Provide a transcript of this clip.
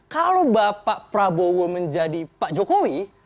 kalau bapak prabowo menjadi pak jokowi